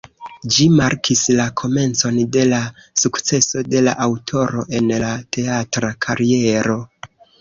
Ĝi markis la komencon de la sukceso de la aŭtoro en la teatra kariero.